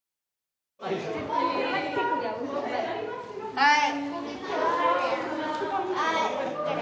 はい。